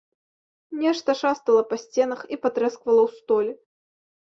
Нешта шастала па сценах і патрэсквала ў столі.